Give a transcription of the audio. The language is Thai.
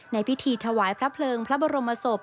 ในพิธีถวายพระเพลิงพระบรมศพ